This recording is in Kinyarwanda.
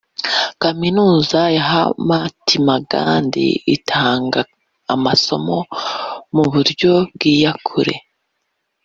Kaminuza ya Mahatma Ghandi itanga amasomo mu buryo bw’iyakure